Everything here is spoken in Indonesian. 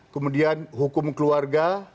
kemudian hukum keluarga